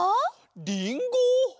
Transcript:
りんご！